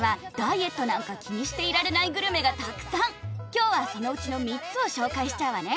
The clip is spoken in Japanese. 今日はそのうちの３つを紹介しちゃうわね！